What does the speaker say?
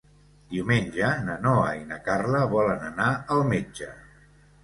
Diumenge na Noa i na Carla volen anar al metge.